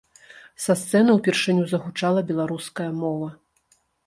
Са сцэны ўпершыню загучала беларуская мова.